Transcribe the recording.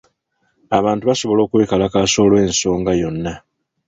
Abantu basobola okwekalakaasa olw'ensonga yonna.